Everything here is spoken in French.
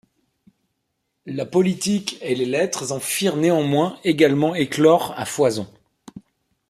La politique et les lettres en firent néanmoins également éclore à foison.